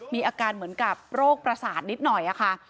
มีอาการเหมือนกับโรคประสาทนิดหน่อยค่ะ